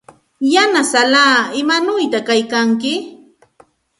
Yanasallaa, ¿imanawta kaykanki?